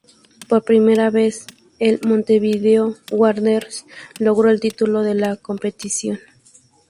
Por primera vez, el Montevideo Wanderers logró el título de la competición.